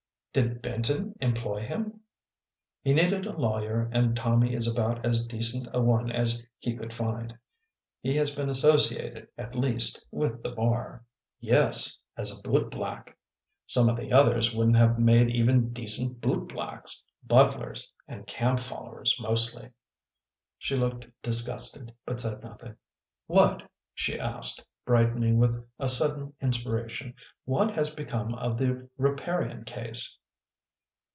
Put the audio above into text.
did Benton employ him?" " He needed a lawyer and Tommy is about as decent a one as he could find. He has been associated, at least, with the bar." ii6 THE PLEASANT WAYS OF ST. MEDARD " Yes, as bootblack." " Some of the others wouldn t have made even decent bootblacks; butlers, and camp followers, mostly." She looked disgusted but said nothing. " What," she asked, brightening with a sudden inspira tion, " what has become of the Riparian case